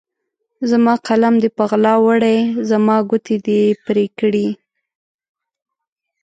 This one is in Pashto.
زما قلم دې په غلا وړی، زما ګوتې دي پرې کړي